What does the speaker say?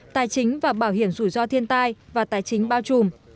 tài chính và bảo hiểm rủi ro thiên tai và tài chính bao trùm